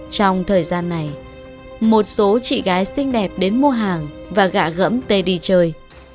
trong thời gian này một số chị gái xinh đẹp đến mua hàng và gạ gẫm tê đi chơi